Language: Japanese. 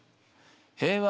「平和」